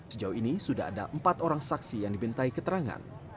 sejauh ini sudah ada empat orang saksi yang dibintai keterangan